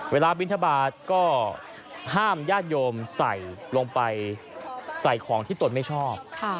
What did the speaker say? บินทบาทก็ห้ามญาติโยมใส่ลงไปใส่ของที่ตนไม่ชอบ